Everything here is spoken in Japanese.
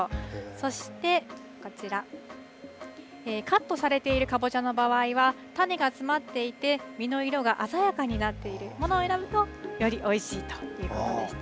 そしてこちら、カットされているカボチャの場合は、種が詰まっていて、実の色が鮮やかになっているものを選ぶと、よりおいしいということでした。